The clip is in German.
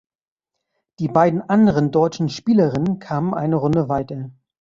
Die beiden anderen deutschen Spielerinnen kamen eine Runde weiter.